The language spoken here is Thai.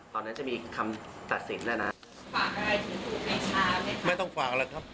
ตอนนั้นจะมีอีกคำตัดสินแล้วนะฝากอะไรถึงถูกในคามนะครับ